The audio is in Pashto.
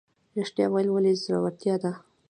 ریښتیا ویل ولې زړورتیا ده؟